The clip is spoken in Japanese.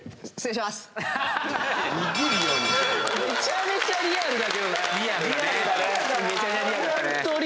めちゃめちゃリアルだったね。